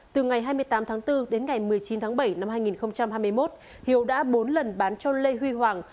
từ ngày hai mươi tám tháng bốn đến ngày một mươi chín tháng bảy năm hai nghìn hai mươi một hiếu đã bốn lần bán cho lê huy hoàng